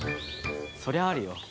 そりゃあるよ。